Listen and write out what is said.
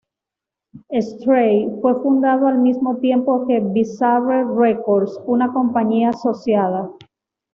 Straight fue fundado al mismo tiempo que Bizarre Records, una compañía asociada.